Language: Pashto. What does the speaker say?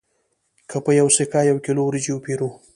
که په یوه سکه یو کیلو وریجې وپېرو